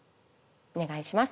お願いします。